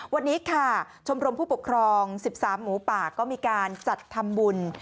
วันนี้ค่ะชมรมผู้ปกครอง๑๓หมูป่าก็มีการจัดทำบุญ